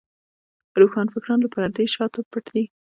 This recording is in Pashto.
روښانفکران له پردې شاته پټ دي.